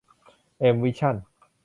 เอ็ม วิชั่น